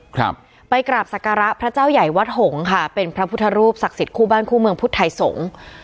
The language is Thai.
ครับไปกราบศักระพระเจ้าใหญ่วัดหงษ์ค่ะเป็นพระพุทธรูปศักดิ์สิทธิคู่บ้านคู่เมืองพุทธไทยสงฆ์